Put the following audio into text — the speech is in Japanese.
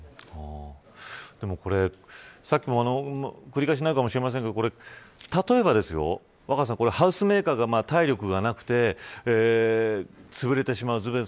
繰り返しになるかもしれませんが例えば、若狭さんハウスメーカーが体力がなくてつぶれてしまう。